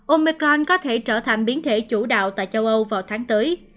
omicron có thể trở thành biến thể chủ đạo tại châu âu vào tháng tưới